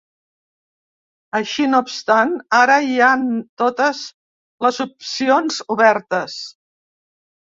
Això no obstant, ara hi ha totes les opcions obertes.